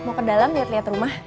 mau ke dalam lihat lihat rumah